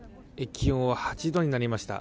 気温は８度になりました。